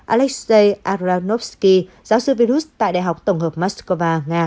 alexei aranovsky giáo sư virus tại đại học tổng hợp moscow nga